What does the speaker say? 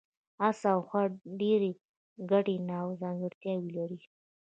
اس او خر ډېرې ګډې ځانګړتیاوې لري.